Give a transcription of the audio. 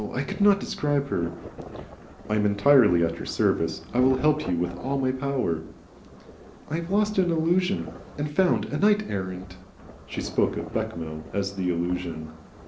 I could not describe her " "I am entirely at your service. I will help you with all my power." "I have lost an Illusion and found a Knight errant." She spoke of Bechamel as the Illusion.